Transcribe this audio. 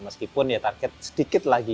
meskipun ya target sedikit lagi